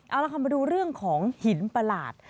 เอาละค่ะมาดูเรื่องของหินประหลาด